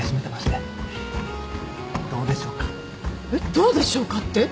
どうでしょうかって？